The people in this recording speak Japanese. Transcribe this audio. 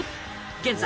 現在